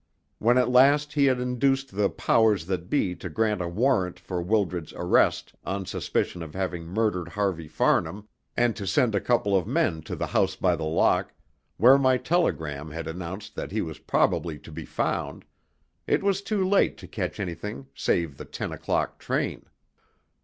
When at last he had induced the "powers that be" to grant a warrant for Wildred's arrest on suspicion of having murdered Harvey Farnham, and to send a couple of men to the House by the Lock, where my telegram had announced that he was probably to be found, it was too late to catch anything save the ten o'clock train.